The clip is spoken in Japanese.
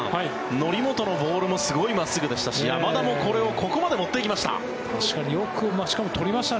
則本のボールもすごい真っすぐでしたし山田もこれをここまで持っていきました。